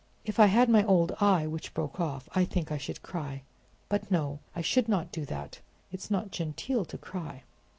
If I had my old eye, which broke off, I think I should cry; but, no, I should not do that: it's not genteel to cry."